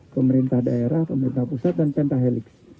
pemerintah daerah pemerintah pusat dan pentahelix